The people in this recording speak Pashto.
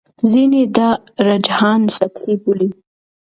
ځینې دا رجحان سطحي بولي.